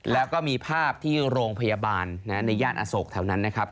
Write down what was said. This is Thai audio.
แล้วก็มีภาพที่โรงพยาบาลในย่านอโศกแถวนั้นนะครับ